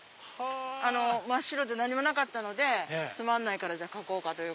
真っ白で何もなかったのでつまんないから描こうかという。